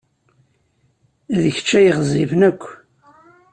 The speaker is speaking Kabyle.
D kečč ay ɣezzifen akk.